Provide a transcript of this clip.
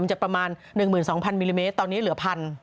จะประมาณ๑๒๐๐มิลลิเมตรตอนนี้เหลือ๑๐๐